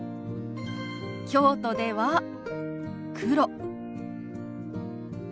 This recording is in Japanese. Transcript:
京都では「黒」。